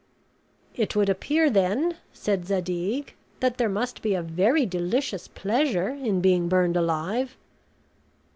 "It would appear then," said Zadig, "that there must be a very delicious pleasure in being burned alive."